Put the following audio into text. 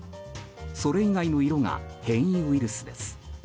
それ以外の色が変異ウイルスです。